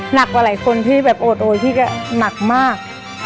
หนักกว่าหลายคนที่แบบโอดโอยพี่ก็หนักมาก